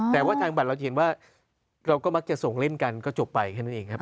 แต่ว่าทางบัตรเราจะเห็นว่าเราก็มักจะส่งเล่นกันก็จบไปแค่นั้นเองครับ